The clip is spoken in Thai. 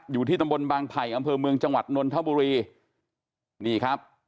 อยู่ที่ตำบลบางไผ่อำเภอเมืองจังหวัดนนทบุรีนี่ครับ